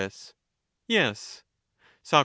Yes. Soc.